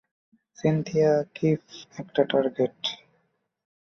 Cynthia, কিফ একটা target!